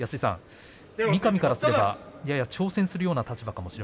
三上大輝からすれば挑戦するような立場ですね。